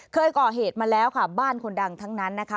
เคยก่อเหตุมาแล้วค่ะบ้านคนดังทั้งนั้นนะคะ